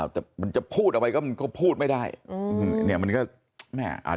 แต่มันจะพูดไปก็พูดไว้ไหนก็พูดไม่ได้